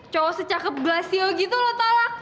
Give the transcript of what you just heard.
cowok secakep galassio gitu lo talak